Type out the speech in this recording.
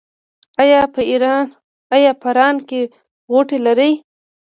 ایا په ران کې غوټې لرئ؟